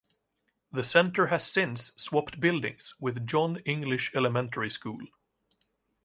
The Centre has since swapped buildings with John English Elementary School.